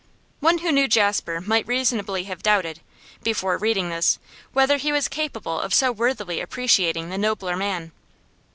One who knew Jasper might reasonably have doubted, before reading this, whether he was capable of so worthily appreciating the nobler man.